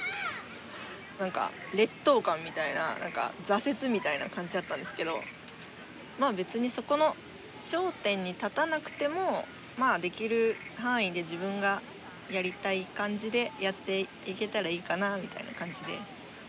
何か劣等感みたいな挫折みたいな感じだったんですけどまあ別にそこの頂点に立たなくてもできる範囲で自分がやりたい感じでやっていけたらいいかなみたいな感じでやってます。